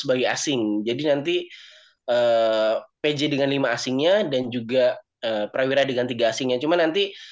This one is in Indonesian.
sebagai asing jadi nanti pj dengan lima asingnya dan juga prawira dengan tiga asingnya cuma nanti